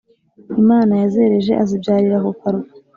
imana yazereje azibyarira ku karwa.